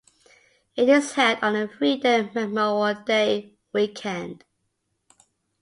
It is held on the three-day Memorial Day weekend.